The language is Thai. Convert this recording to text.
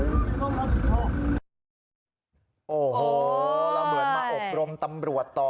โอ้โหแล้วเหมือนมาอบรมตำรวจต่อ